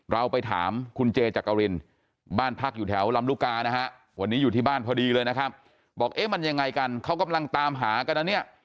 เราไปถามคุณเจจักรินบ้านพักอยู่แถวลำลูกกานะฮะวันนี้อยู่ที่บ้านพอดีเลยนะครับบอกเอ๊ะมันยังไงกันเขากำลังตามหากันนะเนี่ย